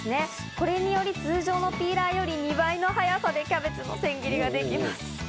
これにより通常のピーラーより２倍の速さでキャベツの千切りができます。